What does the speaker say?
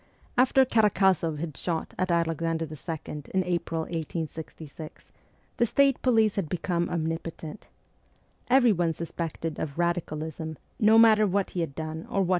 After Karak6zoff had shot at Alexander II. in April 1866 the State police had become omnipotent. Everyone suspected of ' radicalism,' no matter what he had done or what he VOL.